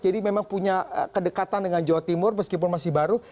jadi memang punya kedekatan dengan jawa timur meskipun masih baru